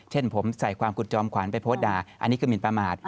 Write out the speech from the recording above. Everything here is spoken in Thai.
เช่นผมใส่ความคุณจอมขวัญไปโพสต์ด่าอันนี้คือหมินประมาท